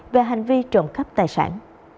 về hành vi trộm cắp tài sản